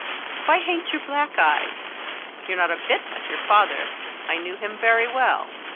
Why ha'nt you black eyes? You're not a bit like your father I knew him very well.